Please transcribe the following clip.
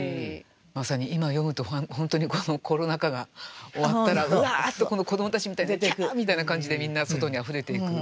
まさに今読むと本当にこのコロナ禍が終わったらうわっとこの子どもたちみたいにキャーみたいな感じでみんな外にあふれていく。